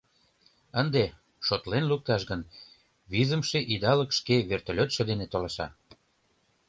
Ынде, шотлен лукташ гын, визымше идалык шке вертолётшо дене толаша.